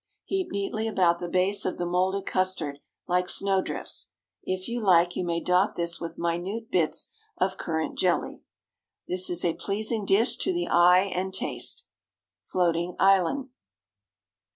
Heap neatly about the base of the moulded custard, like snow drifts. If you like, you may dot this with minute bits of currant jelly. This is a pleasing dish to the eye and taste, FLOATING ISLAND.